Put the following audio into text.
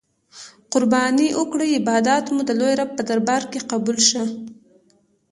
قربانې او کړی عبادات مو د لوی رب په دربار کی قبول شه.